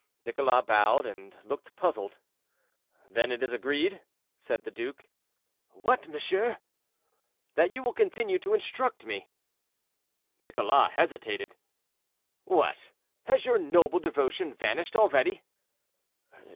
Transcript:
Nicholas bowed, and looked puzzled. "Then it is agreed?" said the duke. "What, monsieur?" "That you will continue to instruct me?" Nicholas hesitated. "What! has your noble devotion vanished already?"